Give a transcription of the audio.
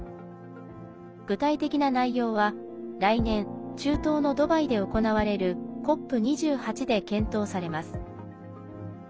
具体的な内容は来年、中東のドバイで行われるＣＯＰ２８で検討されます。